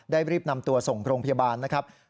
รีบนำตัวส่งโรงพยาบาลนะครับ